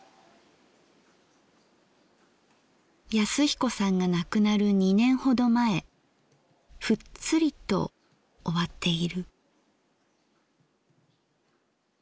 恭彦さんが亡くなる２年ほど前ふっつりと終わっている。